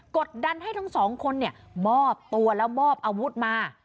กดดันให้ทั้งสองคนเมิดตัวและเมิดอาวุธมา